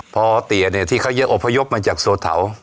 พอเตี๋ยเนี่ยที่เขาเอาอพยพมาจากสวทาว